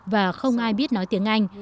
và không ai biết nói tiếng anh